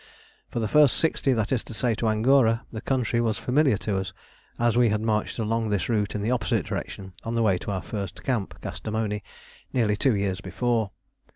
For the first sixty, that is to say to Angora, the country was familiar to us, as we had marched along this route in the opposite direction on the way to our first camp, Kastamoni, nearly two years before.